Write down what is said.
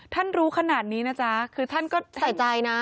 รู้ขนาดนี้นะจ๊ะคือท่านก็ใส่ใจนะ